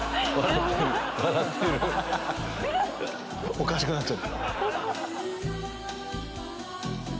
おかしくなっちゃった。